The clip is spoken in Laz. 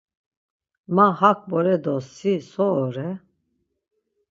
Ma hak bore do si so ore?